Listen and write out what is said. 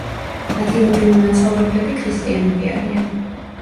ადგილობრივი მაცხოვრებლები ქრისტიანები არიან.